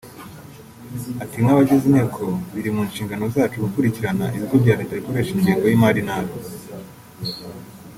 Ati “ Nk’abagize inteko biri mu nshingano zacu gukurikirana ibigo bya leta bikoresha ingengo y’imari nabi